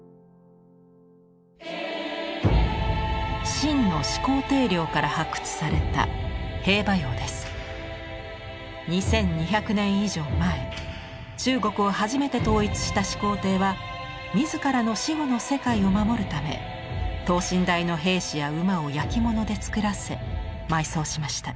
秦の始皇帝陵から発掘された２，２００年以上前中国を初めて統一した始皇帝は自らの死後の世界を守るため等身大の兵士や馬を焼き物で作らせ埋葬しました。